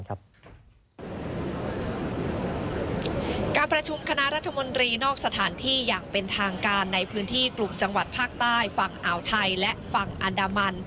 การประชุมคณะรัฐมนตรีนอกสถานที่อย่างเป็นทางการในพื้นที่กลุ่มจังหวัดภาคใต้ฝั่งอ่าวไทยและฝั่งอันดามัน